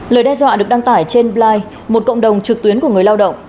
lời đe dọa được đăng tải trên bly một cộng đồng trực tuyến của người lao động